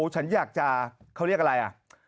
ฉันอยากจะเขาเรียกอะไรอ่ะ